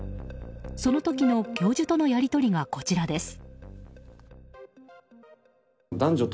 その時の教授とのやり取りがこちらです。